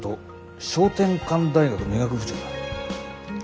翔天館大学の医学部長だ。